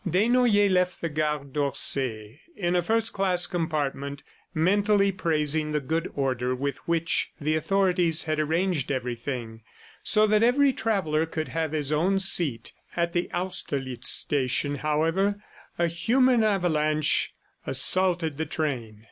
Desnoyers left the Gare d'Orsay in a first class compartment, mentally praising the good order with which the authorities had arranged everything, so that every traveller could have his own seat. At the Austerlitz station, however, a human avalanche assaulted the train.